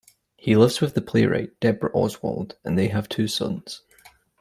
He lives with the playwright Debra Oswald and they have two sons.